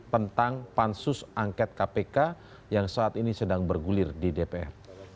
tentang pansus angket kpk yang saat ini sedang bergulir di dpr